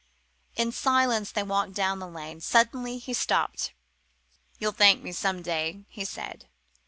In silence they walked down the lane. Suddenly he stopped. "You'll thank me some day," he said.